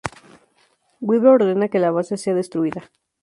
Weaver ordena que la base sea destruida.